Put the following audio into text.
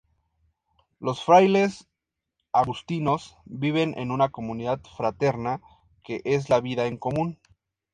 Los frailes agustinos viven en una comunidad fraterna que es la vida en común.